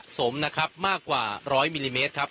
ตอนนี้ผมอยู่ในพื้นที่อำเภอโขงเจียมจังหวัดอุบลราชธานีนะครับ